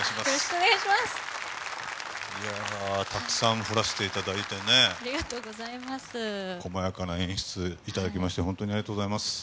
たくさん降らしていただいてね、細やかな演出いただきまして、本当にありがとうございます。